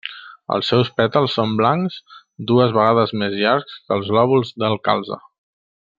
Els seus pètals són blancs dues vegades més llargs que els lòbuls del calze.